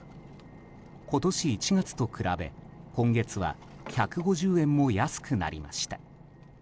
今年１月と比べ、今月は１５０円も安くなりました。